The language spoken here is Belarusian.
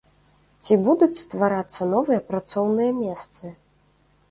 Ці будуць стварацца новыя працоўныя месцы?